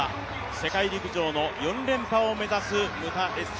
世界陸上の４連覇を目指すムタ・エッサ・